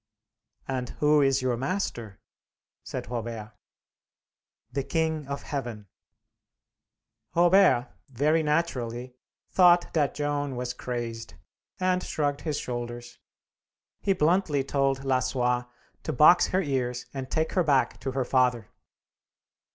"And who is your Master?" said Robert. "The King of Heaven!" Robert, very naturally, thought that Joan was crazed, and shrugged his shoulders. He bluntly told Lassois to box her ears and take her back to her father.